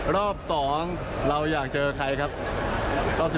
รอบ๒เราอยากเจอใครครับรอบ๑๖ทีม